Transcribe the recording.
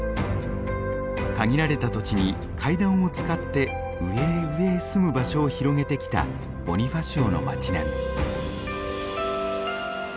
限られた土地に階段を使って上へ上へ住む場所を広げてきたボニファシオの町並み。